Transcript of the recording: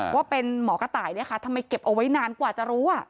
ว่าเป็นหมอกระต่ายทำไมเก็บเอาไว้นานกว่าจะรู้